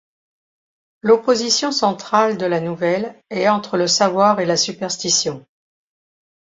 L'opposition centrale de la nouvelle est entre le savoir et la superstition.